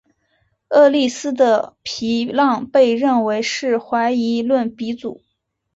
厄利斯的皮浪被认为是怀疑论鼻祖。